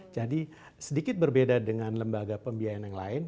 jadi sedikit berbeda dengan lembaga pembiayaan yang lain